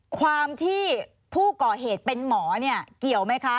ความที่ผู้ก่อเหตุเป็นหมอเนี่ยเกี่ยวไหมคะ